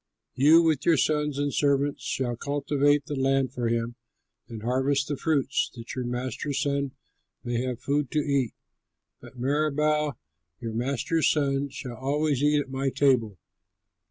You with your sons and servants shall cultivate the land for him and harvest the fruits, that your master's son may have food to eat; but Meribaal, your master's son, shall always eat at my table."